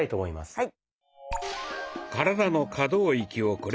はい。